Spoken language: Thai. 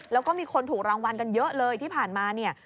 แล้วก็มีคนถูกรางวัลกันเยอะเลยที่ผ่านมาเนี่ย